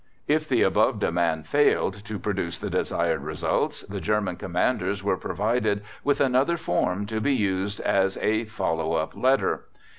If the above demand failed to produce the desired results, the German Commanders were provided with another form to be used as a "follow up" letter.